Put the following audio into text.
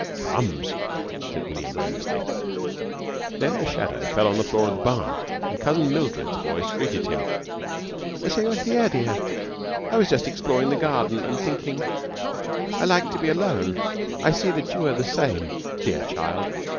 "Crumbs!" said William, earnestly. Then a shadow fell upon the floor of the barn, and Cousin Mildred's voice greeted him. "So you're here, dear? I'm just exploring your garden and thinking. I like to be alone. I see that you are the same, dear child!"